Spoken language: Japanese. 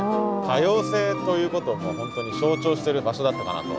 多様性ということをもう本当に象徴してる場所だったかなと。